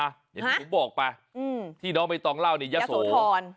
อย่างที่ผมบอกไปที่น้องใบตองเล่านี่ยะโสธร